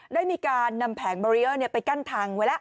ได้มีการนำแผงบารีเออร์ไปกั้นทางไว้แล้ว